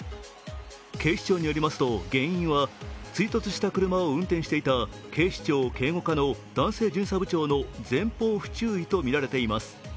警視庁によりますと、原因は追突した車を運転していた警視庁警護課の男性巡査部長の前方不注意とみられています。